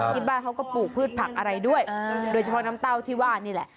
ที่บ้านเขาก็ปลูกพืชผักอะไรด้วยโดยเฉพาะน้ำเต้าที่ว่านี่แหละ